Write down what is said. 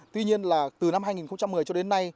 tuy nhiên là từ năm hai nghìn một mươi cho đến nay